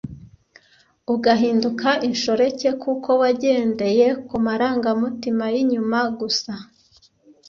ugahinduka inshoreke kuko wagendeye ku marangamutima y’inyuma gusa